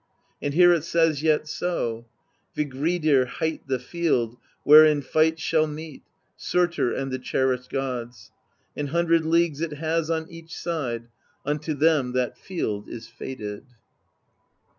And here it says yet so: Vigridr hight the field where in fight shall meet Surtr and the cherished gods; An hundred leagues it has on each side: Unto them that field is fated."